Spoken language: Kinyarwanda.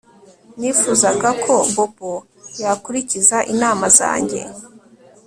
Nifuzaga ko Bobo yakurikiza inama zanjye